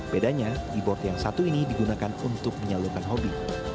bedanya e board yang satu ini digunakan untuk menyalurkan hobi